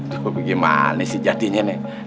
tuh gimana sih jadinya nih